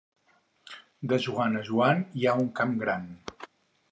De Joan a Joan hi ha un camp gran.